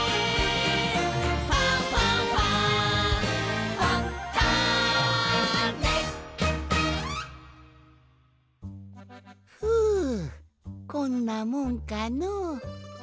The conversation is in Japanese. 「ファンファンファン」ふうこんなもんかの。